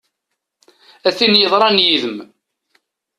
A tin yeḍran yid-m!